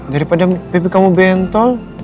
daripada bebi kamu bentol